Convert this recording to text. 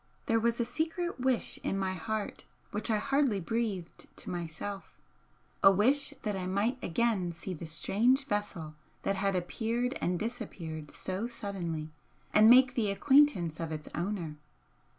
There was a secret wish in my heart which I hardly breathed to myself, a wish that I might again see the strange vessel that had appeared and disappeared so suddenly, and make the acquaintance of its owner.